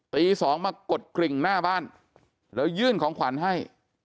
ตีสองมากดกริ่งหน้าบ้านแล้วยื่นของขวัญให้